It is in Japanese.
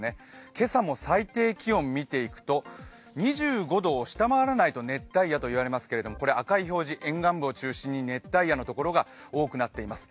今朝も最低気温を見ていくと、２５度を下回らないと熱帯夜と言われますけれども、赤い表示、沿岸部を中心に熱帯夜のところが多くなっています。